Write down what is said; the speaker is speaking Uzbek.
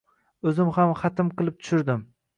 O’zim ham xatm qilib tushirdim